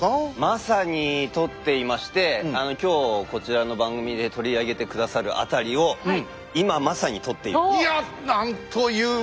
まさに撮っていまして今日こちらの番組で取り上げて下さる辺りを今まさに撮っているところですね。